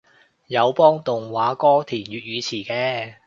有幫動畫歌填粵語詞嘅